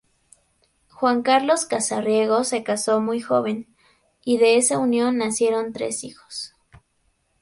Juan Carlos Casariego se casó muy joven, y de esa unión nacieron tres hijos.